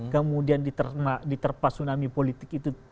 kemudian diterpas tsunami politik itu